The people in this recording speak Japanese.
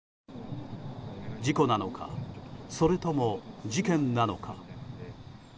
事故なのかそれとも、事件なのか。